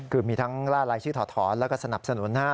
คือมีทั้งล่ารายชื่อถอดถอนแล้วก็สนับสนุนนะฮะ